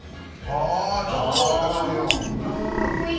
ちょっと変わった感じの。